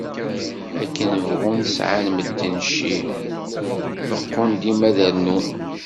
Akken bɣun sεan medden cci, beɣɣun dima ad d-rnun.